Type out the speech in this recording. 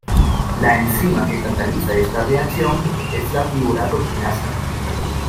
La enzima que cataliza esta reacción es la piruvato quinasa.